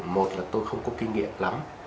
một là tôi không có kinh nghiệm lắm